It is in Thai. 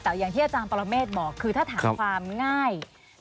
แต่อย่างที่อาจารย์ปรเมฆบอกคือถ้าถามความง่าย